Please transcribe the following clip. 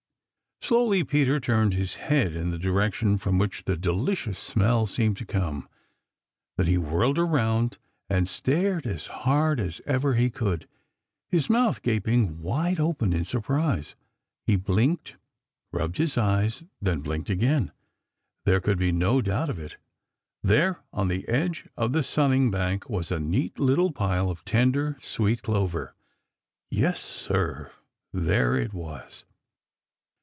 Slowly Peter turned his head In the direction from which the delicious smell seemed to come. Then he whirled around and stared as hard as ever he could, his mouth gaping wide open in surprise. He blinked, rubbed his eyes, then blinked again. There could be no doubt of it; there on the edge of the sunning bank was a neat little pile of tender, sweet clover. Yes, Sir, there it was!